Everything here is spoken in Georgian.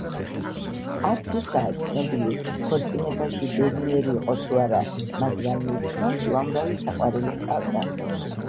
არც ისაა ცნობილი, ქორწინებაში ბედნიერი იყო თუ არა, მაგრამ მის ქმარს უამრავი საყვარელი ჰყავდა.